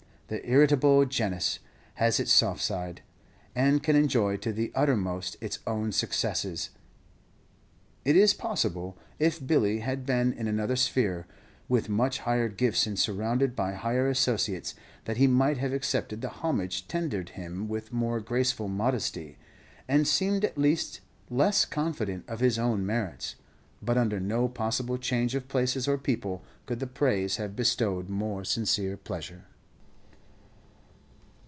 The irritabile genus has its soft side, and can enjoy to the uttermost its own successes. It is possible, if Billy had been in another sphere, with much higher gifts, and surrounded by higher associates, that he might have accepted the homage tendered him with more graceful modesty, and seemed at least less confident of his own merits; but under no possible change of places or people could the praise have bestowed more sincere pleasure.